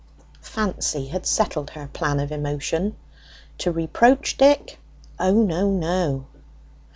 Fancy had settled her plan of emotion. To reproach Dick? O no, no.